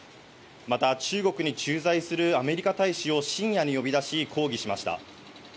また中国に駐在するアメリカ大使を深夜に呼び出し、抗議しました。